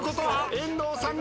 遠藤さん